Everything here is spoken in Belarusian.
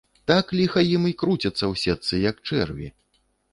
Так, ліха ім, і круцяцца ў сетцы, як чэрві.